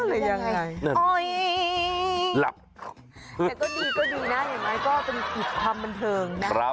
ก็ดีก็ดีนะเห็นไหมก็เป็นความบันเทิงนะ